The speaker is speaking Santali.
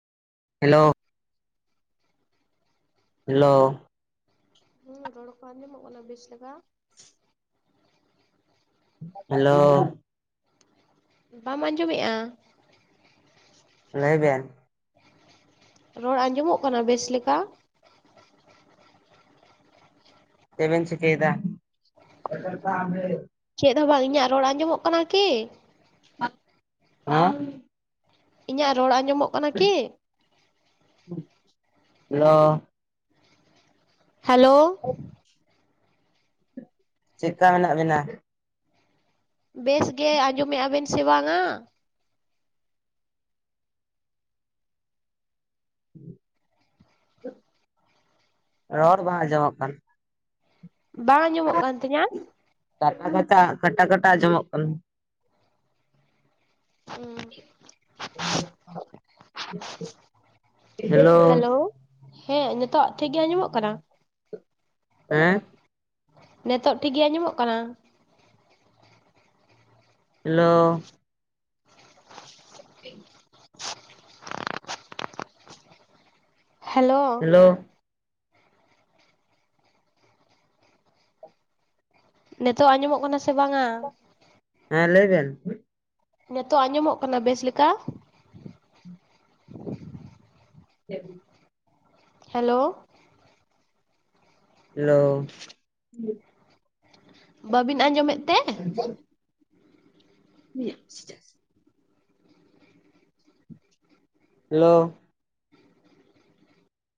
ᱦᱮᱞᱳ᱾ ᱦᱮᱞᱳ᱾ ᱦᱩᱸ ᱨᱚᱲ ᱠᱚ ᱟᱸᱡᱚᱢᱜ ᱠᱟᱱᱟ ᱵᱤᱥ ᱞᱮᱠᱟ? ᱦᱮᱞᱳ᱾ ᱵᱟᱢ ᱟᱸᱡᱚᱢᱮᱜᱼᱟ? ᱞᱟᱹᱭ ᱵᱮᱱ᱾ ᱨᱚᱲ ᱟᱸᱡᱚᱢᱚᱜ ᱠᱟᱱᱟ ᱵᱮᱥ ᱞᱮᱠᱟ? ᱪᱮᱵᱮᱱ ᱪᱤᱠᱟᱹᱭ ᱫᱟ? [unintelligible] ᱪᱮᱫ ᱦᱚᱸ ᱵᱟᱝ ᱤᱧᱟᱜ ᱨᱚᱲ ᱟᱸᱡᱚᱢᱚᱜ ᱠᱟᱱᱟ ᱠᱤ? [unintelligible] ᱤᱧᱟᱹᱜ ᱨᱚᱲ ᱟᱸᱡᱚᱢᱚᱜ ᱠᱟᱱᱟ ᱠᱤ? ᱦᱮᱞᱳ᱾ ᱦᱮᱞᱳ᱾ ᱪᱮᱜᱠᱟ ᱢᱮᱱᱟᱜ ᱵᱮᱱᱟ? ᱵᱮᱥ ᱜᱮ᱾ ᱟᱸᱡᱚᱢᱮᱫᱼᱟ ᱵᱮᱱ ᱥᱮ ᱵᱟᱝᱼᱟ? ᱨᱚᱲ ᱵᱟᱝ ᱟᱸᱡᱚᱢᱚᱜ ᱠᱟᱱᱟ᱾ ᱵᱟᱝ ᱟᱸᱡᱚᱢᱚᱜ ᱠᱟᱱ ᱛᱤᱧᱟᱹ? ᱠᱟᱴᱟᱼᱠᱟᱴᱟ, ᱠᱟᱴᱟᱼᱠᱟᱴᱟ ᱟᱡᱚᱢᱚᱜ ᱠᱟᱱᱟ᱾ [unintelligible] ᱦᱮᱞᱳ᱾ ᱦᱮᱸ ᱱᱤᱛᱚᱜ ᱴᱷᱤᱠ ᱜᱮ ᱟᱸᱡᱚᱢᱚᱜ ᱠᱟᱱᱟ? ᱦᱮᱸ᱾ ᱱᱮᱛᱚᱜ ᱴᱷᱤᱠ ᱜᱮ ᱟᱸᱡᱚᱢᱚᱜ ᱠᱟᱱᱟ? ᱦᱮᱞᱳ᱾ [inaudible] ᱦᱮᱞᱳ᱾ [unintelligible] ᱱᱤᱛᱚᱜ ᱟᱸᱡᱚᱢᱚᱜ ᱠᱟᱱᱟ ᱥᱮ ᱵᱟᱝᱟ? ᱦᱮᱸ ᱞᱟᱹᱭ ᱵᱮᱱ᱾ ᱱᱤᱛᱚᱜ ᱟᱸᱡᱚᱢᱚᱜ ᱠᱟᱱᱟ ᱵᱮᱥ ᱞᱮᱠᱟ? [unintelligible] ᱦᱮᱞᱳ᱾ ᱦᱮᱞᱳ᱾ ᱵᱟᱹᱵᱤᱱ ᱟᱸᱡᱚᱢᱮᱫ ᱛᱮ [unintelligible] [inaudible] ᱦᱮᱞᱳ᱾